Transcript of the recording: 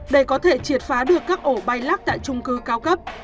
để có thể triệt phá được các ổ bay lắc tại trung cư cao cấp